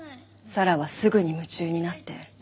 咲良はすぐに夢中になって。